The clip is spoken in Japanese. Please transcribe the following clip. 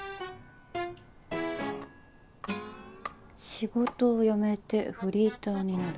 仕事を辞めてフリーターになる。